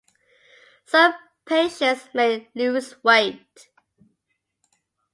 Some patients may lose weight.